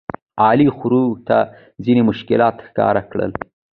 علي مخورو ته ځینې مشکلات ښکاره کړل.